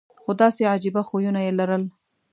خو داسې عجیبه خویونه یې لرل.